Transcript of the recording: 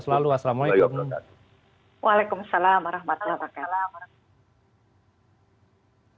waalaikumsalam warahmatullahi wabarakatuh